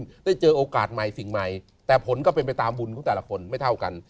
ได้เจอโอกาสใหม่สิ่งใหม่แต่ผลก็เป็นไปตามบุญของแต่ละคนไม่เท่ากัน